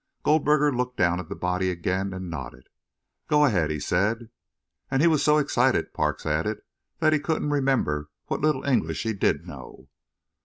Goldberger looked down at the body again and nodded. "Go ahead," he said. "And he was so excited," Parks added, "that he couldn't remember what little English he did know."